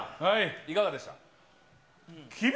いかがでした？